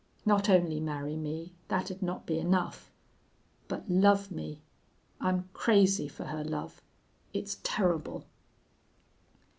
Not only marry me that'd not be enough but love me I'm crazy for her love. It's terrible.'